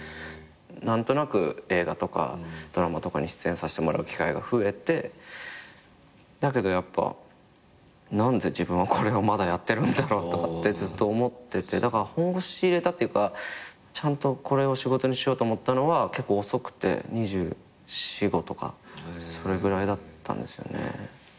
何となく映画とかドラマとかに出演させてもらう機会が増えてだけどやっぱ何で自分はこれをまだやってるんだろうとかってずっと思ってて本腰入れたっていうかちゃんとこれを仕事にしようと思ったのは結構遅くて２４２５とかそれぐらいだったんですよね。